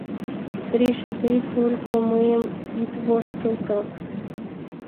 — Гриша, тый только мыйым ит воштылто.